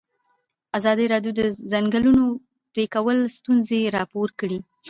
ازادي راډیو د د ځنګلونو پرېکول ستونزې راپور کړي.